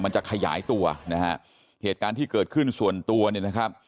มันจะขยายตัวนะฮะเหตุการณ์ที่เกิดขึ้นส่วนตัวเนี่ยนะครับ